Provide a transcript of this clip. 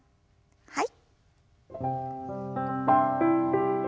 はい。